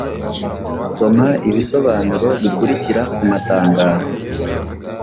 Soma ibisobanuro bikurikira ku matangazo